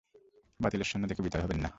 বাতিলের সৈন্য দেখে ভীত হবে না।